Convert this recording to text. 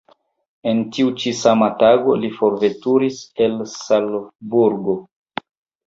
En tiu ĉi sama tago li forveturis el Salzburgo.